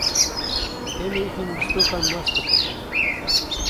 Em ê hin lîstokan nas bikin.